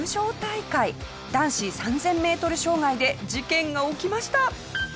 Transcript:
男子３０００メートル障害で事件が起きました。